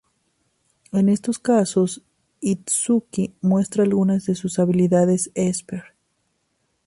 En estos casos, Itsuki muestra algunas de sus habilidades esper.